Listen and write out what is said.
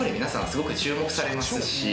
すごく注目されますし。